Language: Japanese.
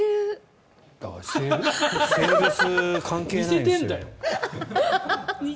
性別関係ないんですよ。